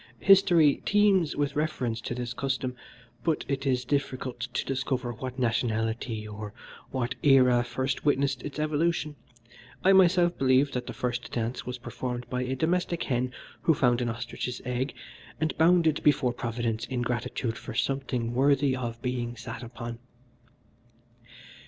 History teems with reference to this custom, but it is difficult to discover what nationality or what era first witnessed its evolution. I myself believe that the first dance was performed by a domestic hen who found an ostrich's egg, and bounded before Providence in gratitude for something worthy of being sat upon.